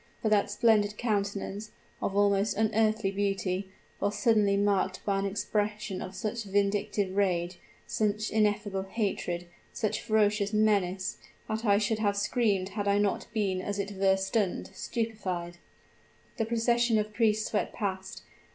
For that splendid countenance, of almost unearthly beauty, was suddenly marked by an expression of such vindictive rage, such ineffable hatred, such ferocious menace, that I should have screamed had I not been as it were stunned stupefied! "The procession of priests swept past.